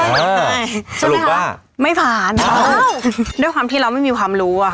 สนุกเลยใช่สนุกป่ะไม่ผ่านอ้าวด้วยความที่เราไม่มีความรู้อะ